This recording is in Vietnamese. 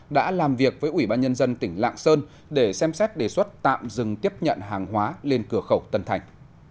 đã làm việc với ủy ban nhân dân tỉnh lạng sơn để xem xét đề xuất tạm dừng tiếp nhận hàng hóa lên cửa khẩu tân thành